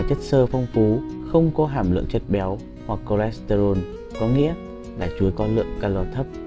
chú ý phong phú không có hàm lượng chất béo hoặc cholesterol có nghĩa là chuối con lượng calo thấp